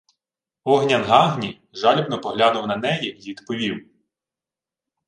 Огнян-Гагні жалібно поглянув на неї й відповів: